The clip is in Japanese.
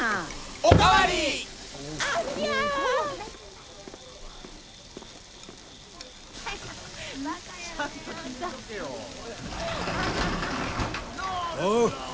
おう。